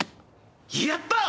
やった！